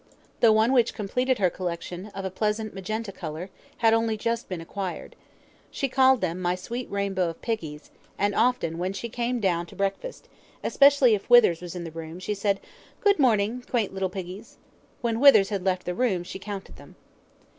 The one which completed her collection, of a pleasant magenta colour, had only just been acquired. She called them "My sweet rainbow of piggies," and often when she came down to breakfast, especially if Withers was in the room, she said: "Good morning, quaint little piggies." When Withers had left the room she counted them.